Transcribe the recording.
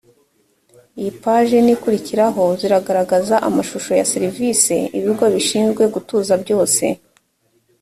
iyi paje n ikurikiraho ziragaragaza amashusho ya za serivise ibigo bishinzwe gutuza byose